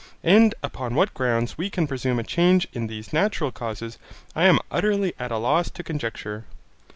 And upon what grounds we can presume a change in these natural causes, I am utterly at a loss to conjecture.